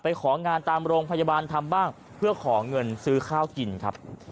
ของานตามโรงพยาบาลทำบ้างเพื่อขอเงินซื้อข้าวกินครับ